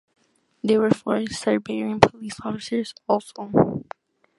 There were four Serbian police officers also.